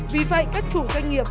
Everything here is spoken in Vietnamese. vì vậy các chủ doanh nghiệp